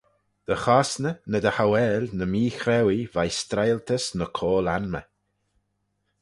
Dy chosney ny dy hauail ny meechrauee veih stroialtys ny coayl anmey.